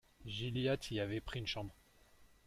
Gilliatt y avait pris une chambre.